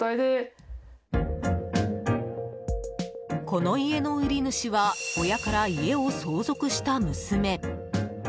この家の売主は親から家を相続した娘。